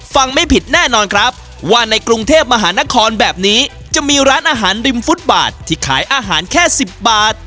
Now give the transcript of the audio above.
ไม่ผิดแน่นอนครับว่าในกรุงเทพมหานครแบบนี้จะมีร้านอาหารริมฟุตบาทที่ขายอาหารแค่๑๐บาท